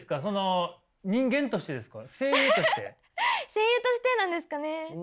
声優としてなんですかね。